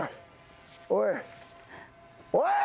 おいおい！